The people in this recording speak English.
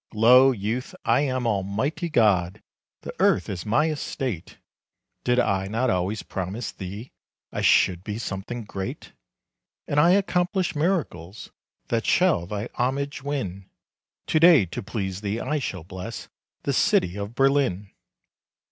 Lo, youth, I am Almighty God! The earth is my estate. Did I not always promise thee I should be something great? And I accomplish miracles That shall thy homage win. To day to please thee I shall bless The city of Berlin.